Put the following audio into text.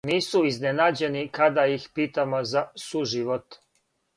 Нису изненађени када их питамо за суживот.